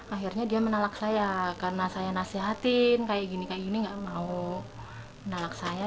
akhirnya dia menolak saya karena saya nasihatin kayak gini kayak gini gak mau menolak saya